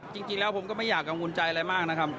จริงแล้วผมก็ไม่อยากกังวลใจอะไรมากนะครับ